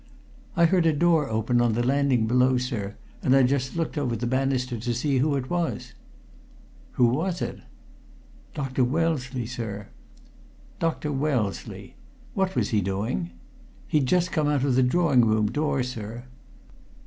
"I heard a door open on the landing below, sir, and I just looked over the banister to see who it was." "Who was it?" "Dr. Wellesley, sir." "Dr. Wellesley. What was he doing?" "He'd just come out of the drawing room door, sir."